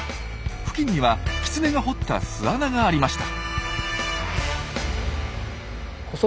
付近にはキツネが掘った巣穴がありました。